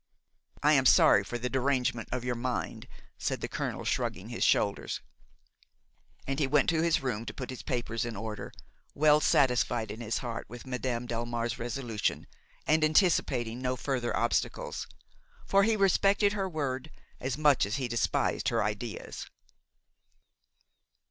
"I am sorry for the derangement of your mind," said the colonel, shrugging his shoulders. And he went to his room to put his papers in order, well satisfied in his heart with Madame Delmare's resolution and anticipating no further obstacles; for he respected her word as much as he despised her ideas.